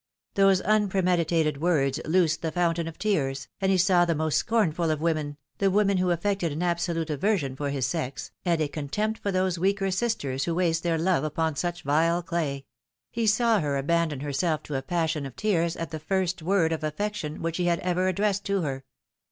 Those unpremeditated words loosed the fountain of tears, and Le saw the most scornful of women, the woman who affected an abso lute aversion for his sex, and a contempt for those weaker sisters who waste their love upon such vile clay he saw her abandon herself to a passion of tears at the first word of affection which he had ever addressed to her.